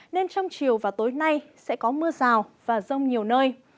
nên trong chiều và tối nay sẽ có mưa rào và rông nhiều nơi